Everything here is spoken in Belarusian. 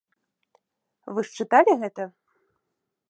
Вы ж чыталі гэта?